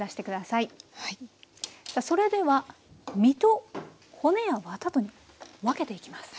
さあそれでは身と骨やワタとに分けていきます。